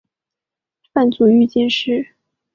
范祖禹进士。